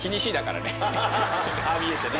ああ見えてね。